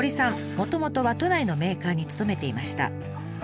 もともとは都内のメーカーに勤めていました。